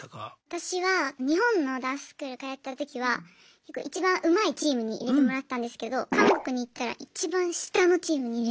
私は日本のダンススクール通ってたときはいちばんうまいチームに入れてもらってたんですけど韓国に行ったらいちばん下のチームに入れられました。